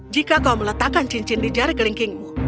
jika kau meletakkan cincin di jari gelingkingmu